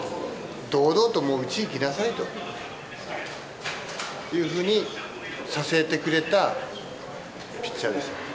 堂々ともう、打ちにいきなさいというふうにさせてくれたピッチャーでした。